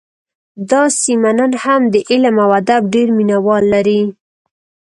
دا سیمه نن هم د علم او ادب ډېر مینه وال لري